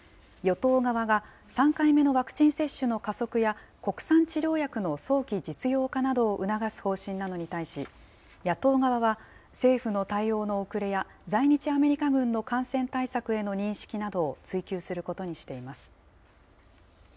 与党側が３回目のワクチン接種の加速や、国産治療薬の早期実用化などを促す方針なのに対し、野党側は政府の対応の遅れや在日アメリカ軍の感染対策への認識などを追及することにしています。